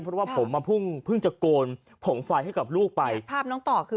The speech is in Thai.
เพราะว่าผมมาเพิ่งเพิ่งจะโกนผงไฟให้กับลูกไปภาพน้องต่อคือ